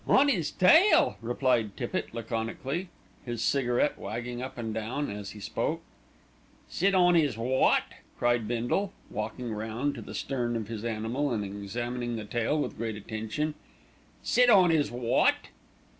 "On 'is tail," replied Tippitt laconically, his cigarette wagging up and down as he spoke. "Sit on 'is wot?" cried Bindle, walking round to the stern of his animal and examining the tail with great attention. "Sit on 'is wot?"